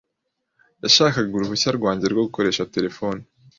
Yashakaga uruhushya rwanjye rwo gukoresha terefone.